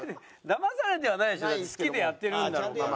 だまされてはないでしょだって好きでやってるんだろうから。